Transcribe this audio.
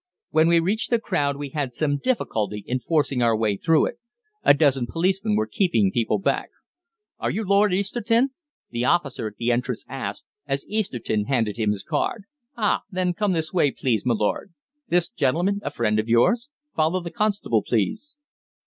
When we reached the crowd we had some difficulty in forcing our way through it. A dozen policemen were keeping people back. "Are you Lord Easterton?" the officer at the entrance asked, as Easterton handed him his card. "Ah, then come this way, please, m'lord. This gentleman a friend of yours? Follow the constable, please."